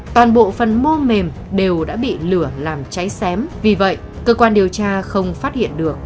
toàn bộ phần mô mềm đều đã bị lửa làm cháy xém vì vậy cơ quan điều tra không phát hiện được